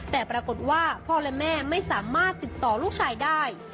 แต่ปรากฏว่าพ่อและแม่ไม่สามารถติดต่อลูกชายได้